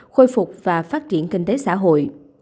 khôi phục và phát triển kinh tế xã hội